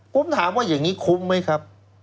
ผมถามว่าอย่างนี้คุ้มไหมครับ